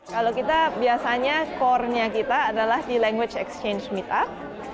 kalau kita biasanya core nya kita adalah di language exchange meet up